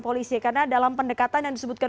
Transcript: polisi karena dalam pendekatan yang disebutkan